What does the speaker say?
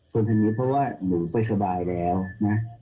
คนทางนี้เพราะว่าหนูไปสบายแล้วนะ